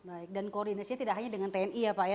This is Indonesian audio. baik dan koordinasinya tidak hanya dengan tni ya pak ya